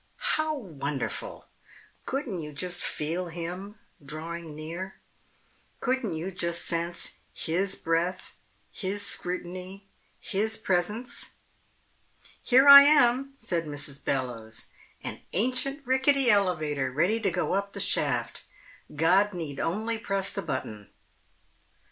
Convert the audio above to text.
How wonderful! Couldn't you just feel Him drawing near? Couldn't you just sense His breath, His scrutiny, His Presence? "Here I am," said Mrs. Bellowes, "an ancient rickety elevator, ready to go up the shaft. God need only press the button."